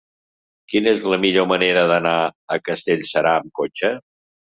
Quina és la millor manera d'anar a Castellserà amb cotxe?